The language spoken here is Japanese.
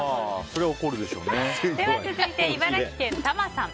続いて、茨城県の方。